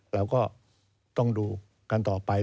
เราก็ต้องดูกันต่อไป